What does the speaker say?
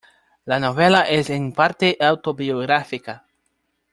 La novela es en parte autobiográfica.